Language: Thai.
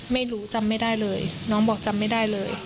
ไม่รู้จำไม่ได้เลยน้องบอกจำไม่ได้เลย